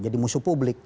jadi musuh publik